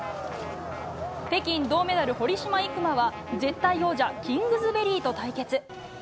北京銅メダル、堀島行真は絶対王者キングズベリーと対決。